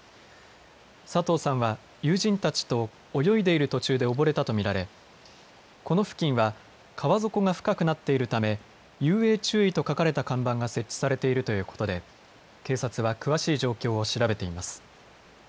佐藤さんは友人たちと泳いでいる途中で溺れたと見られこの付近は川底が深くなっているため遊泳注意と書かれた看板が設置されているということで警察は詳しい状況を調べています。